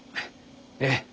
ええ。